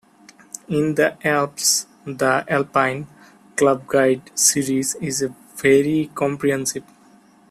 In the Alps the Alpine Club Guide series is very comprehensive.